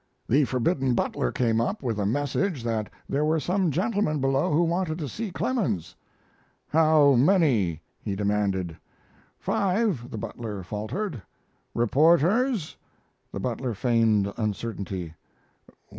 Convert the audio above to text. The forbidden butler came up with a message that there were some gentlemen below who wanted to see Clemens. "How many?" he demanded. "Five," the butler faltered. "Reporters?" The butler feigned uncertainty.